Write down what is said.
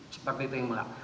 seperti itu yang bilang